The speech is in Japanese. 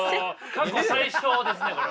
過去最少ですねこれは。